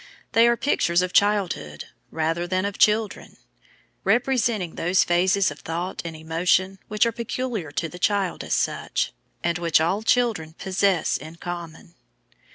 They are pictures of childhood, rather than of children, representing those phases of thought and emotion which are peculiar to the child as such, and which all children possess in common.